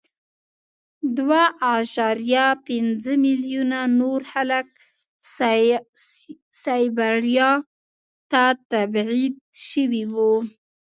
دوه اعشاریه پنځه میلیونه نور خلک سایبریا ته تبعید شوي وو